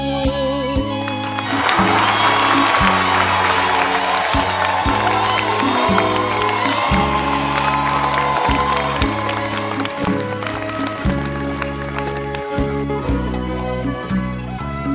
ฝากเพลงสู้รอยผ่านจากใจ